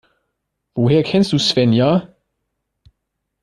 Woher kennst du Svenja?